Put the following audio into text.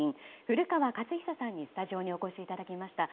古川勝久さんにスタジオにお越しいただきました。